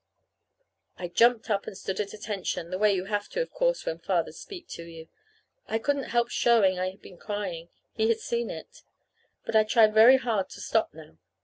I jumped up and stood "at attention," the way you have to, of course, when fathers speak to you. I couldn't help showing I had been crying he had seen it. But I tried very hard to stop now.